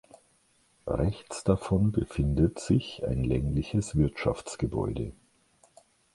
Rechts davon befindet sich ein längliches Wirtschaftsgebäude.